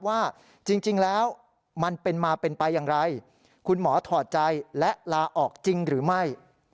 ว่าจริงแล้วมันเป็นมาเป็นไปอย่างไรคุณหมอถอดใจและลาออกจริงหรือไม่